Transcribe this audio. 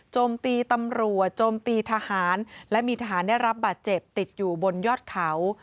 โจมตีตำรวจโจมตีทหารและมีทหารได้รับบาดเจ็บติดอยู่บนยอดเขา